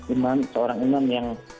imam seorang imam yang